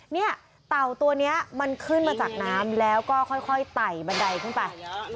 เนี่ยเต่าตัวนี้มันขึ้นมาจากน้ำแล้วก็ค่อยไต่บันไดขึ้นไป